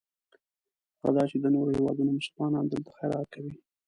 هغه دا چې د نورو هېوادونو مسلمانان دلته خیرات کوي.